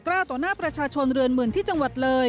ต่อหน้าประชาชนเรือนหมื่นที่จังหวัดเลย